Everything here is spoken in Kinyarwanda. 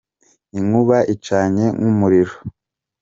inkuba icanye nkumuriro